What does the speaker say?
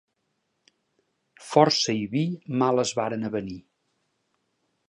Força i vi mal es varen avenir.